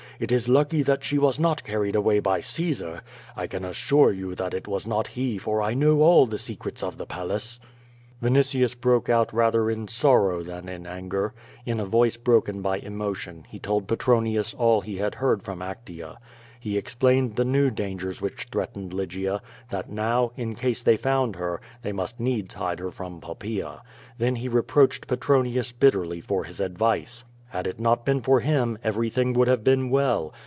It is lucky that she was not carried away by Caesar. I can assure you that it was not he for I know all the secrets of the Palace." Vinitius broke out rather in sorrow than in anger. In a voice broken by emotion, he told Petronius all he had heard from Actea. He explained the new dangers which threat ened Lygia, that now, in case they found her, they must needs hide her from Poppaea. Then he reproached Petronius bit terly for his advice. Had it not been for him, everything would have been well.